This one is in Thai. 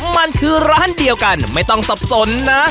มันคือร้านเดียวกันไม่ต้องสับสนนะ